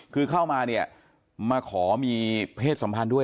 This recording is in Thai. คือเข้ามาเนี่ยมาขอมีเพศสัมพันธ์ด้วย